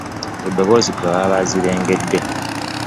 Ku ddoboozi kwe baba baziregedde .